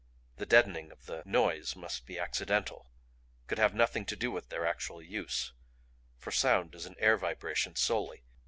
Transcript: The deadening of the noise must be accidental, could have nothing to do with their actual use; for sound is an air vibration solely.